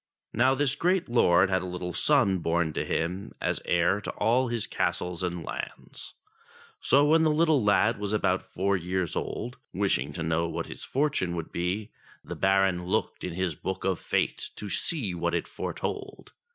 Now this great lord had a little son born to him as heir to all his castles and lands. So, when the little lad was about four years old, wishing to know what his fortune would be, the Baron looked in his Book of Fate to see what it foretold.